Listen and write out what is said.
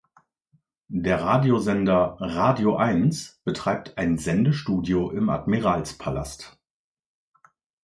Der Radiosender "radioeins" betreibt ein Sendestudio im Admiralspalast.